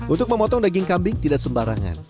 untuk memotong daging kambing tidak sembarangan